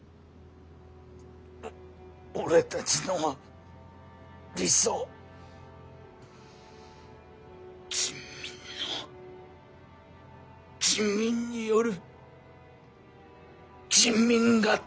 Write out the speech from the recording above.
俺たちの理想人民の人民による人民がためなる。